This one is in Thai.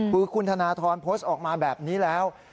คือคุณธนทรโพสต์ออกมาแบบนี้แล้ว